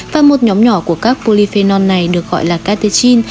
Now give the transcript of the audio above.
và một nhóm nhỏ của các polyphenol này được gọi là katechin